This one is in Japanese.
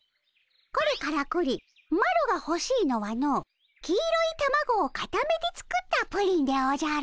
これからくりマロがほしいのはの黄色いたまごをかためて作ったプリンでおじゃる！